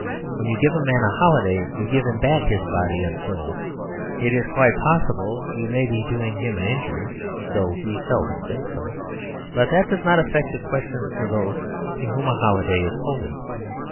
When you give a man a holiday you give him back his body and soul. It is quite possible you may be doing him an injury (though he seldom thinks so), but that does not affect the question for those to whom a holiday is holy.